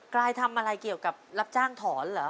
กายทำอะไรเกี่ยวกับรับจ้างถอนเหรอ